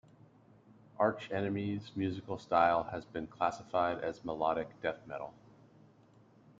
Arch Enemy's musical style has been classified as melodic death metal.